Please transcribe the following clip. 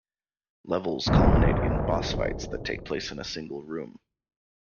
Levels culminate in boss fights that take place in a single room.